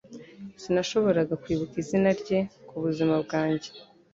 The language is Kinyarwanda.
Sinashoboraga kwibuka izina rye kubuzima bwanjye.